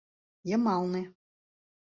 — Йымалне...